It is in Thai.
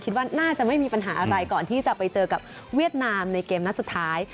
คิดว่าน่าจะไม่มีปัญหาอะไรก่อนที่จะไปเจอกับเวียดนามในเกมนัดสุดท้าย